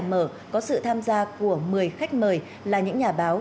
đối thoại mở có sự tham gia của một mươi khách mời là những nhà báo